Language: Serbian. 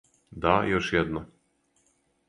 Да, још једно.